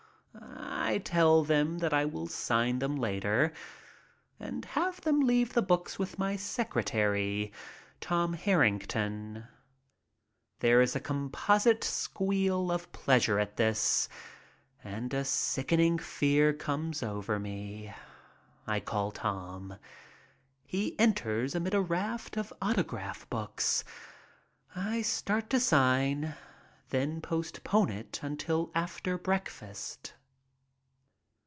I tell them that I will sign them later and have them leave the books with my secretary, Tom Harrington. There is a composite squeal of pleasure at this and a sickening fear comes over me. I call Tom. He enters amid a raft of autograph books. I start to sign, then postpone it until after breakfast.